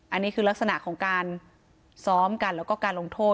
อันนี้คือลักษณะของการซ้อมกันแล้วก็การลงโทษ